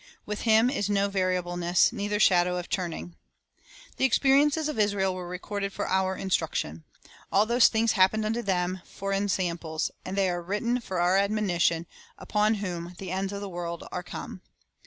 With Him "is no variable ness, neither shadow of turning." 3 The experiences of Israel were recorded for our instruction. "All those things happened unto them for ensamples, and they are written for our admonition, upon whom the ends of the world are come."